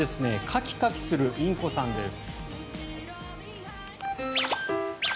カキカキするインコさんです。